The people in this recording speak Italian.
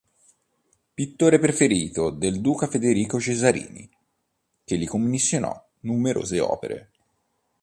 Pittore preferito del duca Federico Cesarini che gli commissionò numerose opere.